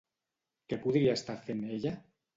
Què podria estar fent ella?